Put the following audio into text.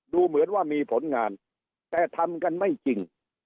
ดูเหมือนว่ามีผลงานแต่ทำกันไม่จริง